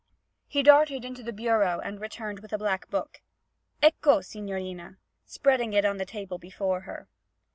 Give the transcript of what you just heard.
He darted into the bureau and returned with a black book. 'Ecco, signorina!' spreading it on the table before her.